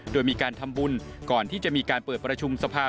โดยมีการทำบุญก่อนที่จะมีการเปิดประชุมสภา